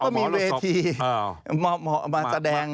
ก็มีเวทีมาแสดง